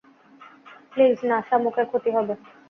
Please না, শামুকের ক্ষতি হবে।